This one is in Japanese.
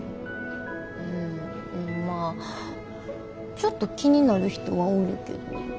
んまあちょっと気になる人はおるけど。